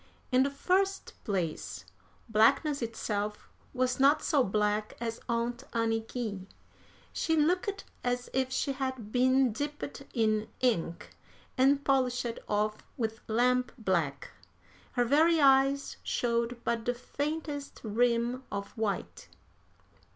In the first place, blackness itself was not so black as Aunt Anniky. She looked as if she had been dipped in ink and polished off with lamp black. Her very eyes showed but the faintest rim of white.